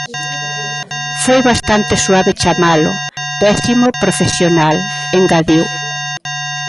"Foi bastante suave chamalo pésimo profesional", engadiu.